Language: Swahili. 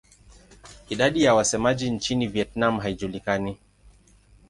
Idadi ya wasemaji nchini Vietnam haijulikani.